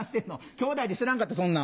兄弟で知らんかったそんなん。